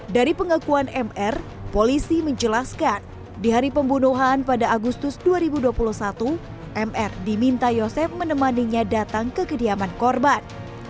dari pengakuan mr polisi menjelaskan di hari pembunuhan pada agustus dua ribu dua puluh satu mr diminta yosep menemaninya datang ke kediaman korban